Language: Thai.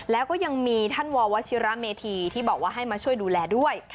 แล้วก็ยังมีท่านววชิระเมธีที่บอกว่าให้มาช่วยดูแลด้วย